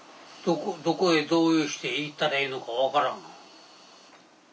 どこへどうして行ったらいいのか分からん。